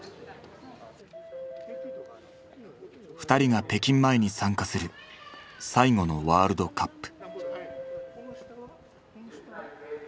２人が北京前に参加する最後のワールドカップ。